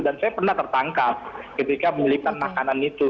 dan saya pernah tertangkap ketika menyelipkan makanan itu